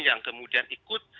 yang kemudian ikut